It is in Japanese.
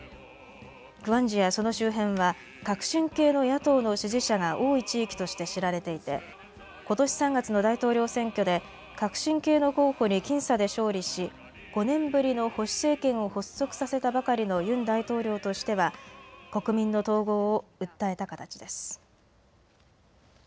クワンジュやその周辺は革新系の野党の支持者が多い地域として知られていてことし３月の大統領選挙で革新系の候補に僅差で勝利し５年ぶりの保守政権を発足させたばかりのユン大統領としては国民の統合を訴えた形です。